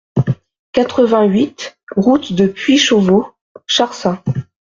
quatre-vingt-huit route de Puychauveau Charsat